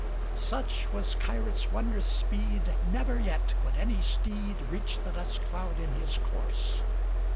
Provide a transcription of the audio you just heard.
Such was Kyrat's wondrous speed, Never yet could any steed Reach the dust cloud in his course.